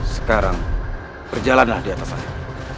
sekarang berjalanlah di atas air